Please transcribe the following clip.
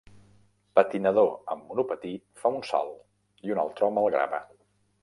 Patinador amb monopatí fa un salt i un altre home el grava.